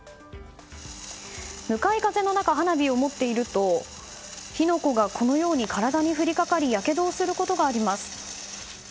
向かい風の中花火を持っていると火の粉が、このように体に降りかかりやけどをすることがあります。